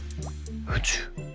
宇宙？